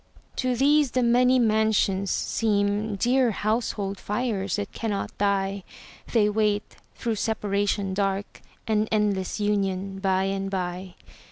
To these the many mansions seem Dear household fires that cannot die; They wait through separation dark An endless union by and by.